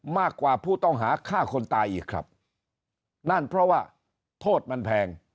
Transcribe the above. มากกว่าผู้ต้องหาฆ่าคนตายอีกครับนั่นเพราะว่าโทษมันแพง